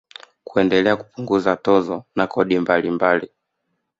Kuendelea kupunguza tozo na kodi mbalimbali